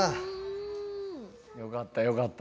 よかったよかった。